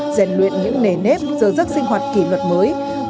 giành luyện những nề nếp giữa giấc sinh hoạt kỷ luật mới